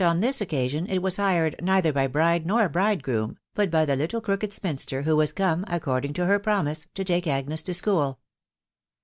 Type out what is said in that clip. this occasion it was hired neither by .bride nor bridegroom, but ? by the little crooked spinster, who was cone, according to her promise, to take Agnes to school.